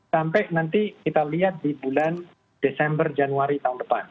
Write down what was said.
sampai nanti kita lihat di bulan desember januari tahun depan